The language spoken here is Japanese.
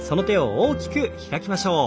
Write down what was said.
大きく開きましょう。